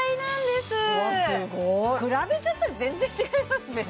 すごい比べちゃったら全然違いますね